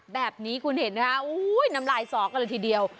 แบบนี้คุณเห็นไหมคะน้ำลายสอกันเลยทีเดียว